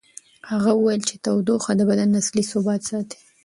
هغه وویل چې تودوخه د بدن اصلي ثبات ساتي.